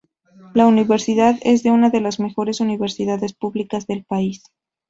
La universidad es una de las mejores universidades públicas del país.